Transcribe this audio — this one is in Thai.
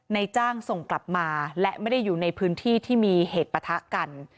ในจ้างส่งกลับมาและไม่ได้อยู่ในพื้นที่ที่มีเหตุปะทะกัน